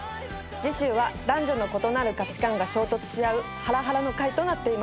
次週は男女の異なる価値観が衝突し合うハラハラの回となっています。